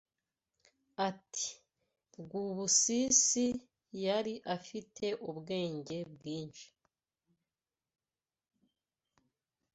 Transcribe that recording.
Ati “Rwubusisi yari afite ubwenge bwinshi